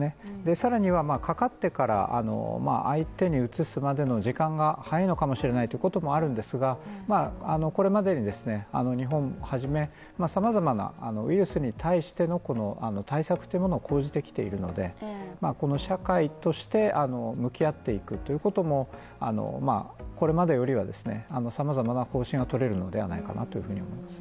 さらにはかかってから一定にうつすまでの時間が早いのかもしれないということもあるんですが、これまでに、日本をはじめ様々なウイルスに対しての対策というものを講じてきているのでこの社会として向き合っていくということもこれまでよりは、様々な方針が取れるのではないかなというふうに思いました。